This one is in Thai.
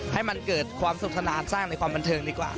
ให้มันเกิดความสุขสนานสร้างในความบันเทิงดีกว่า